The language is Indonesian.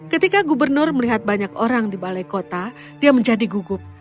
ketika gubernur melihat banyak orang di balai kota dia menjadi gugup